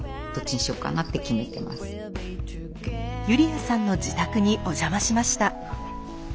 ユリアさんの自宅にお邪魔しました。